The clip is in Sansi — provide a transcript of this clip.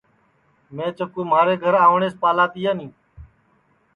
میں چکُو مھارے گھر آوٹؔیس پالا تیانی